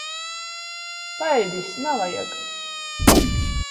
Paļdis, navajag!